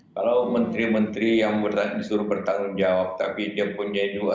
kalau menteri menteri yang disuruh bertanggung jawab tapi dia punya dua